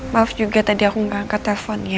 maaf juga tadi aku nggak angkat teleponnya